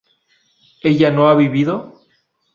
¿ella no ha vivido?